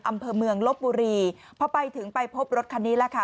อำเภอเมืองลบบุรีพอไปถึงไปพบรถคันนี้แหละค่ะ